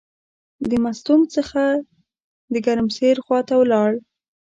د مستونګ څخه د ګرمسیر خواته ولاړ.